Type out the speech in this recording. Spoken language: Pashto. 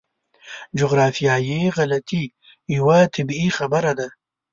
جغرافیایي غلطي یوه طبیعي خبره ده.